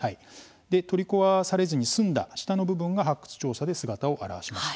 取り壊されずに済んだ下の部分が発掘調査で姿を現しました。